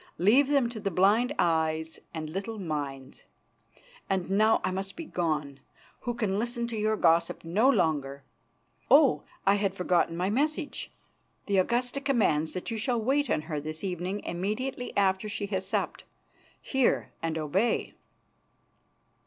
Leave them to the blind eyes and little minds. And now I must be gone, who can listen to your gossip no longer. Oh! I had forgotten my message. The Augusta commands that you shall wait on her this evening immediately after she has supped. Hear and obey!"